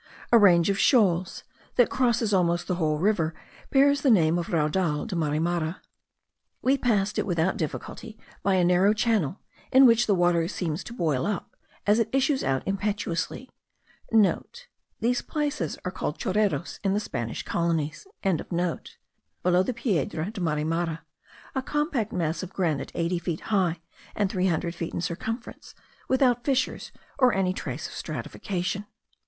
A range of shoals, that crosses almost the whole river, bears the name of the Raudal de Marimara. We passed it without difficulty by a narrow channel, in which the water seems to boil up as it issues out impetuously* (* These places are called chorreros in the Spanish colonies.) below the Piedra de Marimara, a compact mass of granite eighty feet high, and three hundred feet in circumference, without fissures, or any trace of stratification.